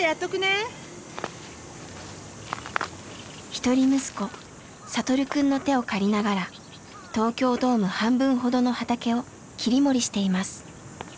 一人息子聖くんの手を借りながら東京ドーム半分ほどの畑を切り盛りしています。